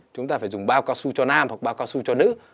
chúng ta phải dùng bao cao su cho nam hoặc bao cao su cho nữ